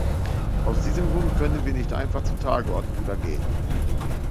Aus diesem Grund können wir nicht einfach zur Tageordnung übergehen.